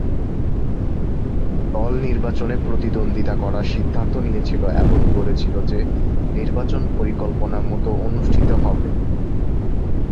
দলটি নির্বাচনে প্রতিদ্বন্দ্বিতা করার সিদ্ধান্ত নিয়েছিল এবং বলেছিল যে নির্বাচন পরিকল্পনা মতো অনুষ্ঠিত হবে।